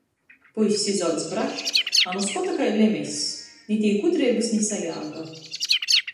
Puiss izaudzs brašs, a nu skota kai lemess. Ni tī gudreibys, ni sajāga.